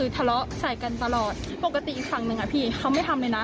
ถ้าเขาเจออีกฝั่งหนึ่งมาเขาก็จะรีบกลับ